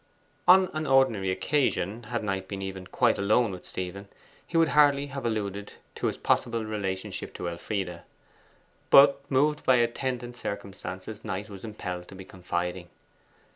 On an ordinary occasion, had Knight been even quite alone with Stephen, he would hardly have alluded to his possible relationship to Elfride. But moved by attendant circumstances Knight was impelled to be confiding.